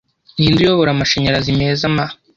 Ninde uyobora amashanyarazi meza M